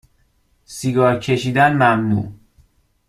سیگار کشیدن ممنوع